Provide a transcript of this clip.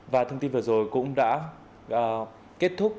và thông tin vừa rồi cũng đã kết thúc